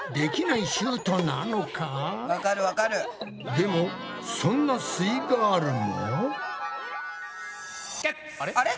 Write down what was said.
でもそんなすイガールも。